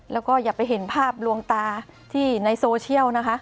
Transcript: แล้วก็อย่าไปเห็นภาพลวงตาที่ในโซเชียลนะคะ